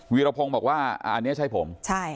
เวียระพงบอกว่าอันนี้ใช่ผม